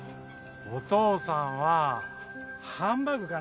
お父さんはハンバーグかな？